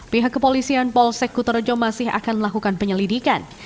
pihak kepolisian polsek kutorojo masih akan melakukan penyelidikan